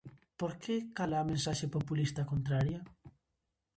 Por que cala a mensaxe populista contraria?